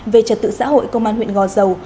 về trật tự xã hội công an huyện gò dầu